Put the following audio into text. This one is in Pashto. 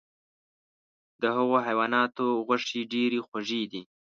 د هغو حیواناتو غوښې ډیرې خوږې دي .